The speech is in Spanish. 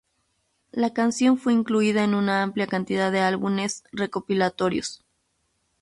La canción fue incluida en una amplia cantidad de álbumes recopilatorios.